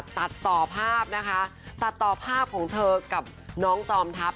ตัดต่อภาพนะคะตัดต่อภาพของเธอกับน้องจอมทัพ